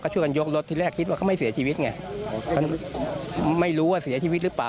ช่วยกันยกรถที่แรกคิดว่าเขาไม่เสียชีวิตไงเขาไม่รู้ว่าเสียชีวิตหรือเปล่า